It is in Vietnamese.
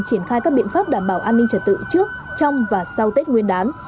triển khai các biện pháp đảm bảo an ninh trật tự trước trong và sau tết nguyên đán